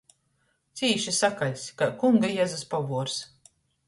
Cīši sakaļts kai Kunga Jezus povuors!